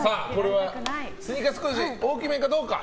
スニーカー少し大きめかどうか。